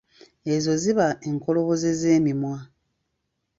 Ezo ziba enkoloboze z'emimwa.